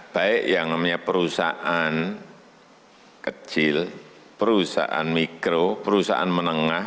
baik yang namanya perusahaan kecil perusahaan mikro perusahaan menengah